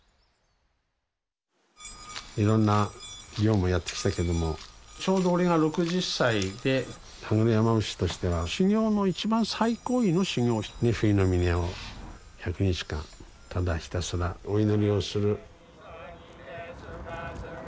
いろんな行もやってきたけどもちょうど俺が６０歳で羽黒山伏としては修行の一番最高位の修行冬の峰を１００日間ただひたすらお祈りをする。